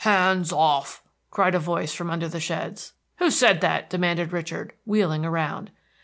"Hands off!" cried a voice from under the sheds. "Who said that?" demanded Richard, wheeling around.